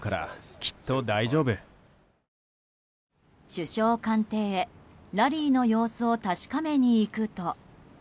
首相官邸へ、ラリーの様子を確かめに行くと。